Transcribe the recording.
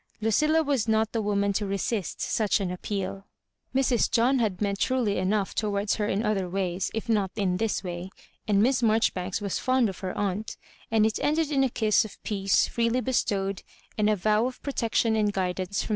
Ludlla was not the woman to resist such an appeaL Mrs. John had meant truly enough towards her in other ways, if not in this way; and Miss Maijoribanks was fond of her aunt, and it ended in a kiss of peace freely bestowed, and a vow of protection and guidance trom.